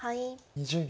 ２０秒。